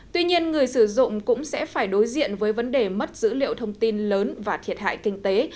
tuy nhiên người sử dụng cũng sẽ phải đối diện với vấn đề mất dữ liệu thông tin lớn và thiệt hại kinh tế